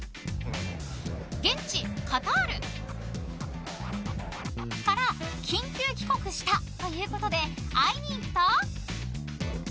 現地カタール。から緊急帰国したということで会いに行くと。